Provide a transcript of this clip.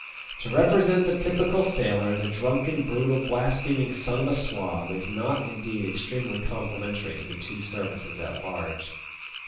'* To represent the typical sailor as a drunken, brutal, blaspheming son of a swab is not indeed extremely complimentary to the two services at large.